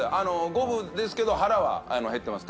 ５分ですけど腹は減ってます。